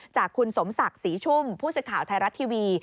จากคุณสมศักดิ์ศรีชุ่มผู้สื่อข่าวไทยรัฐทีวี